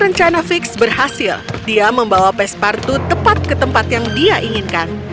rencana fix berhasil dia membawa pespartu tepat ke tempat yang dia inginkan